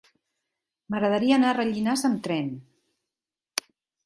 M'agradaria anar a Rellinars amb tren.